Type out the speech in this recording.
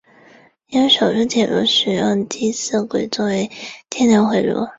也有少数铁路使用第四轨作为电流回路。